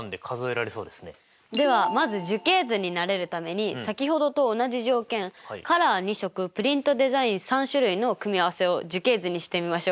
ではまず樹形図に慣れるために先ほどと同じ条件カラー２色プリントデザイン３種類の組み合わせを樹形図にしてみましょうか。